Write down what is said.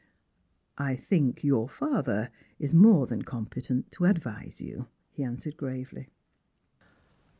" I think your father is more than competent to advise you," he answered gravely.